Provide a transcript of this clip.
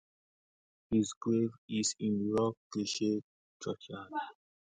His grave is in Rawcliffe churchyard.